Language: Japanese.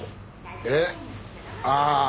えっ？ああ。